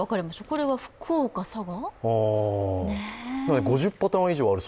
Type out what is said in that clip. これは、福岡と佐賀。